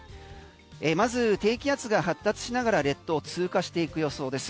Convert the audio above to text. まず低気圧が発達しながら列島を通過していく予想です。